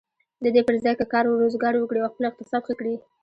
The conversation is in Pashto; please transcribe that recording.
د دې پر ځای که کار و روزګار وکړي او خپل اقتصاد ښه کړي.